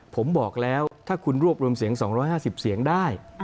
ผมบอกแล้วถ้าคุณรวบรวมเสียง๒๕๐เสียงได้